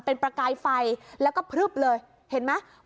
เป็นประกายไฟแล้วก็พลึบเลยเห็นไหม